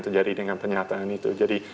terjadi dengan pernyataan itu jadi